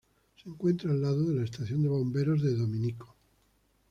Se encuentra al lado de la estación de bomberos de Dominico.